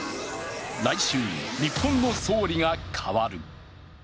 来週、日本の総理が代わる。